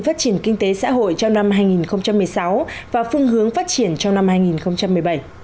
phát triển kinh tế xã hội trong năm hai nghìn một mươi sáu và phương hướng phát triển trong năm hai nghìn một mươi bảy